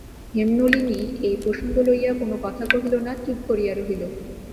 হেমনলিনী এই প্রসঙ্গ লইয়া কোনো কথা কহিল না, চুপ করিয়া রহিল।